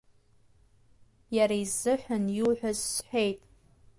Иара изыҳәан иуҳәаз, – сҳәеит.